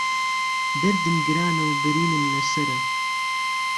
دهردم گرانه و برینم له سهره